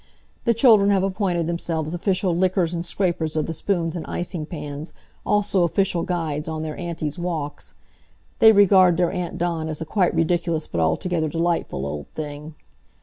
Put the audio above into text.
The children have appointed themselves official lickers and scrapers of the spoons and icing pans, also official guides on their auntie's walks. They regard their Aunt Dawn as a quite ridiculous but altogether delightful old thing.